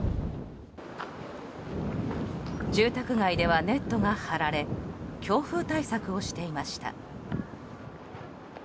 住宅街ではネットが張られ強風対策をしていました。